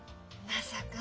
まさか。